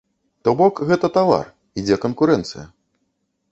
То бок, гэта тавар, ідзе канкурэнцыя.